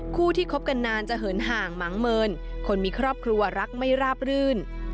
คู่ที่คบกันนานจะเหินห่างหมังเมินคนมีครอบครัวรักไม่ราบรื่น